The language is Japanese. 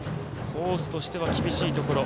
コースとしては厳しいところ。